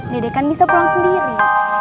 dede kan bisa pulang sendiri